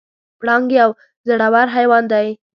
پړانګ یو زړور حیوان دی.